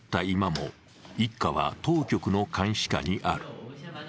今も一家は当局の監視下にある。